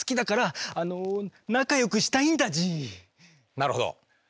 なるほど。